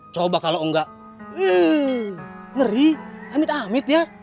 coba kalau enggak ngeri amit amit ya